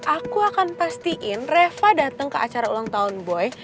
aku akan pastiin reva datang ke acara ulang tahun boy